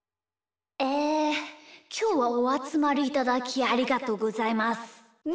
えきょうはおあつまりいただきありがとうございます。